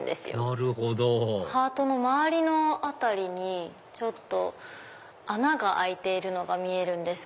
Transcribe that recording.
なるほどハートの周りの辺りに穴が開いているのが見えるんです。